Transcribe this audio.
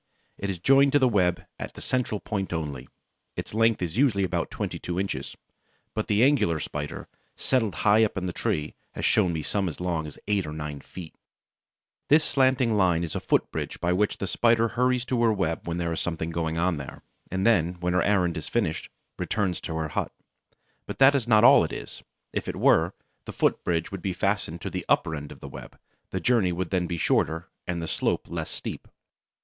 It is joined to the web at the central point only. Its length is usually about twenty two inches, but the Angular Spider, settled high up in the trees, has shown me some as long as eight or nine feet. [Illustration: "The slanting cord is a telegraph wire."] This slanting line is a foot bridge by which the Spider hurries to her web when there is something going on there, and then, when her errand is finished, returns to her hut. But that is not all it is. If it were, the foot bridge would be fastened to the upper end of the web. The journey would then be shorter and the slope less steep.